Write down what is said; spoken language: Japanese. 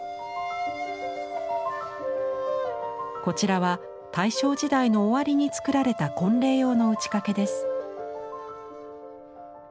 こちらは大正時代の終わりに作られた婚礼用の打掛です。